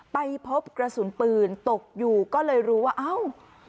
ไปพบกระสุนปืนตกอยู่ก็เลยรู้ว่าเอ้า